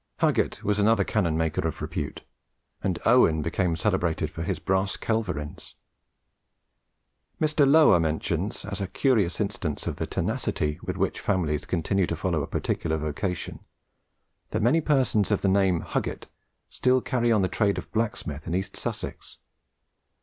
Huggett was another cannon maker of repute; and Owen became celebrated for his brass culverins. Mr. Lower mentions, as a curious instance of the tenacity with which families continue to follow a particular vocation, that many persons of the name of Huggett still carry on the trade of blacksmith in East Sussex.